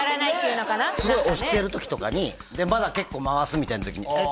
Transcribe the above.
何かねすごい押してる時とかにでまだ結構回すみたいな時にえっ